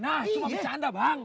nah cuma bercanda bang